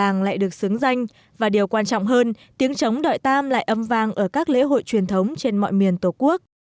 tên trống của làng lại được xứng danh và điều quan trọng hơn tiếng trống đợi tam lại âm vang ở các lễ hội truyền thống trên mọi miền tổ quốc